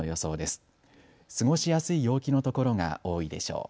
過ごしやすい陽気の所が多いでしょう。